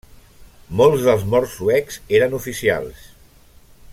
Molts dels morts suecs eren oficials.